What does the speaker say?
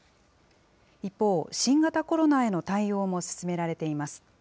一方、新型コロナへの対応も進められています。